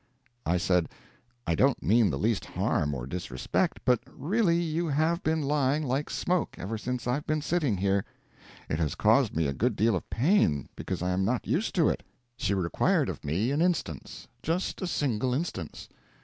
I said, "I don't mean the least harm or disrespect, but really you have been lying like smoke ever since I've been sitting here. It has caused me a good deal of pain, because I am not used to it." She required of me an instance just a single instance.